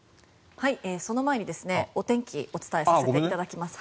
その前にお天気をお伝えさせていただきます。